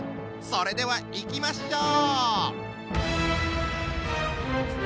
それではいきましょう！